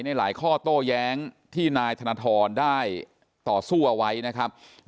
ในหลายข้อโต้แย้งที่นายธนทรได้ต่อสู้เอาไว้นะครับ